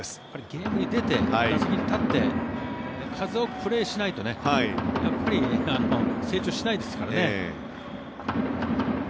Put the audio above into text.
ゲームに出て打席に立って数多くプレーしないと成長しないですからね。